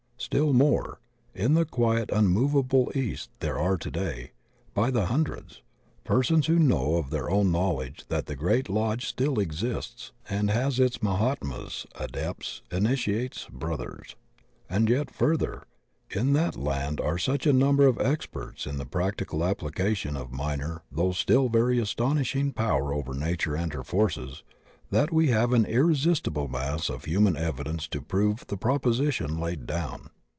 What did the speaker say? Still more, in the quiet unmovable East there are today, by the hundred, persons who know of their own knowl edge that the Great Lodge still exists and has its Ma hatmas, Adepts, Initiates, Brothers. And yet further, in that land are such a number of experts in the prac tical application of minor though still very astonishing power over nature and her forces, that we have an irresistible mass of human evidence to prove the prop osition laid down.